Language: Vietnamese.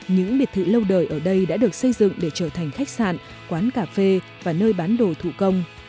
những biệt thự lâu đời ở đây đã được xây dựng để trở thành khách sạn quán cà phê và nơi bán đồ thủ công